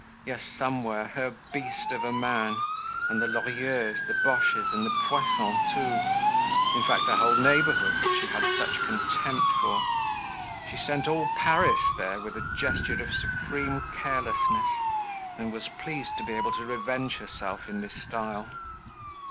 Yes, somewhere, her beast of a man and the Lorilleuxs, the Boches, and the Poissons too; in fact, the whole neighborhood, which she had such contempt for. She sent all Paris there with a gesture of supreme carelessness, and was pleased to be able to revenge herself in this style.